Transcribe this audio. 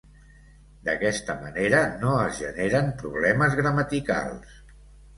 D'aquesta manera no es generen problemes gramaticals.